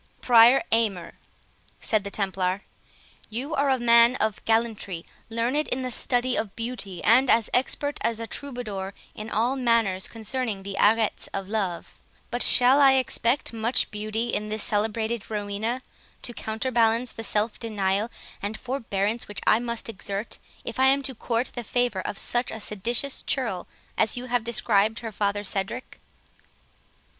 "Prior Aymer," said the Templar, "you are a man of gallantry, learned in the study of beauty, and as expert as a troubadour in all matters concerning the 'arrets' of love; but I shall expect much beauty in this celebrated Rowena to counterbalance the self denial and forbearance which I must exert if I am to court the favor of such a seditious churl as you have described her father Cedric."